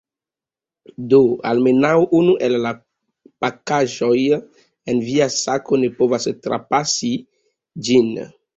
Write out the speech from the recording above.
Do, almenaŭ unu el la pakaĵoj en via sako ne povas trapasi ĝin.